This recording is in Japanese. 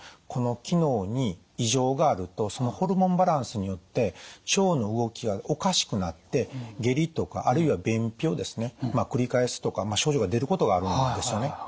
この機能に異常があるとそのホルモンバランスによって腸の動きがおかしくなって下痢とかあるいは便秘をですね繰り返すとか症状が出ることがあるんですよね。